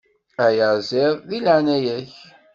Ayaziḍ, deg leɛnaya-k.